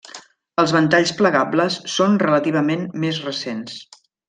Els ventalls plegables són relativament més recents.